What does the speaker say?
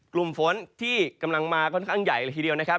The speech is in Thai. กลุ่มฝนที่กำลังมาค่อนข้างใหญ่เลยทีเดียวนะครับ